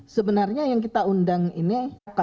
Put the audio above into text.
sebenarnya yang kita undang ini